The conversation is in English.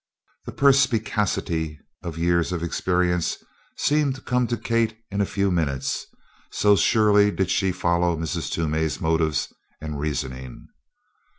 The perspicacity of years of experience seemed to come to Kate in a few minutes, so surely did she follow Mrs. Toomey's motives and reasoning.